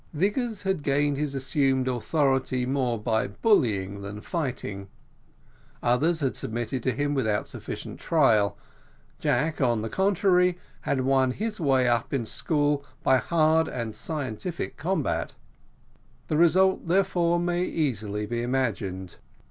Vigors had gained his assumed authority more by bullying than fighting; others had submitted to him without a sufficient trial; Jack, on the contrary, had won his way up in school by hard and scientific combat: the result, therefore, may easily be imagined.